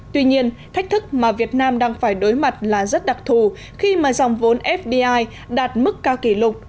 tuy nhiên thách thức mà việt nam đang phải đối mặt là rất đặc thù khi mà dòng vốn fdi đạt mức cao kỷ lục